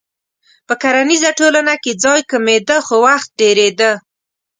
په کرنیزه ټولنه کې ځای کمېده خو وخت ډېرېده.